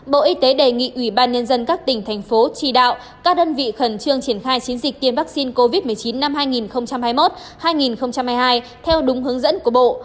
bộ y tế đề nghị ủy ban nhân dân các tỉnh thành phố chỉ đạo các đơn vị khẩn trương triển khai chiến dịch tiêm vaccine covid một mươi chín năm hai nghìn hai mươi một hai nghìn hai mươi hai theo đúng hướng dẫn của bộ